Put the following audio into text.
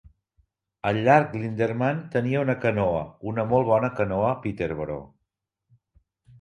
Al llac Linderman tenia una canoa, una molt bona canoa Peterborough.